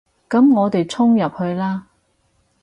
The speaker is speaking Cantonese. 噉我哋衝入去啦